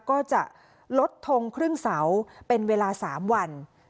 ก็จะลดทงครึ่งเสาเป็นเวลา๓วัน